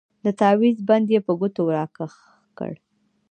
د تاويز بند يې په ګوتو راکښ کړ.